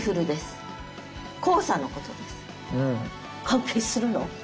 関係するの？